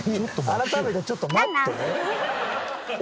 改めてちょっと待って。